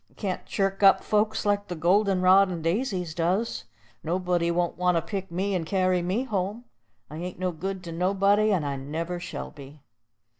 I can't chirk up folks like the golden rod and daisies does. Nobody won't want to pick me and carry me home. I ain't no good to anybody, and I never shall be."